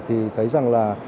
thì thấy rằng là